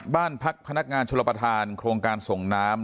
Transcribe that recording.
บ้านพักพนักงานชลประธานโครงการส่งน้ำ